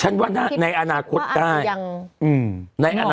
อเจมส์ฉันว่าในอนาคตได้อเจมส์ว่าอาจอย่าง